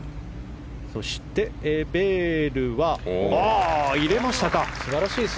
そして、エベールは入れましたか。